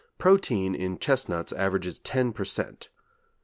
Protein in chestnuts averages 10 per cent.